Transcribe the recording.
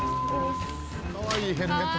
かわいいヘルメット。